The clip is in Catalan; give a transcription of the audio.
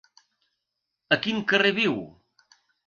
A quin carrer viu?